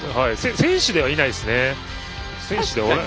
選手ではいないですね。